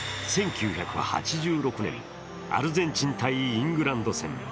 １９８６年アルゼンチン×イングランド戦。